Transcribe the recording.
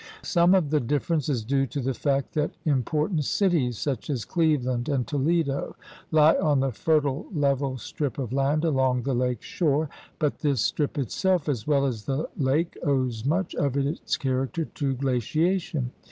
Some of the difference is due to the fact that im portant cities such as Cleveland and Toledo lie on the fertile level strip of land along the lake shore, but this strip itself, as well as the lake, owes much of its character to glaciation.